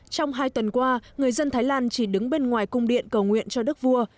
trong hai tuần qua người dân thái lan chỉ đứng bên ngoài cung điện cầu nguyện cho đức vua